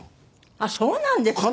あっそうなんですか。